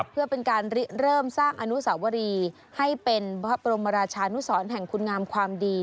เพื่อเป็นการเริ่มสร้างอนุสาวรีให้เป็นพระบรมราชานุสรแห่งคุณงามความดี